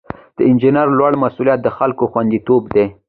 د انجینر لومړی مسؤلیت د خلکو خوندیتوب دی.